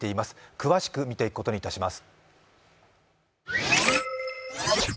詳しく見ていくことにします。